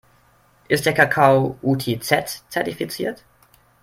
Ist der Kakao UTZ-zertifiziert?